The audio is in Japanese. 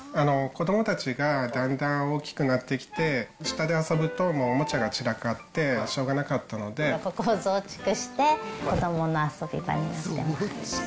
子どもたちがだんだん大きくなってきて、下で遊ぶともうおもちゃが散らかって、ここを増築して、子どもの遊び場にしてます。